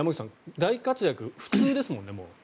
大活躍が普通ですもんね。